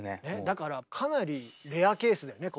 だからかなりレアケースだよね。